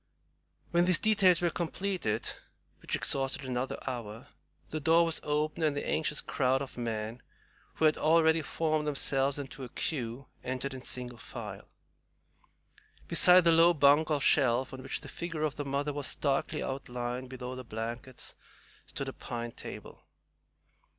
When these details were completed, which exhausted another hour, the door was opened, and the anxious crowd of men, who had already formed themselves into a queue, entered in single file. Beside the low bunk or shelf, on which the figure of the mother was starkly outlined below the blankets, stood a pine table.